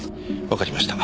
わかりました。